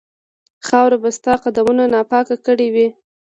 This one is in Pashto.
خاوره به ستا قدمونو ناپاکه کړې وي.